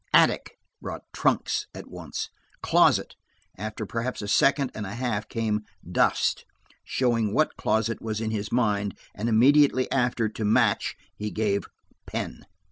"Attic" brought "trunks" at once. "Closet." After perhaps a second and a half came "dust," showing what closet was in his mind, and immediately after, to "match" he gave "pen."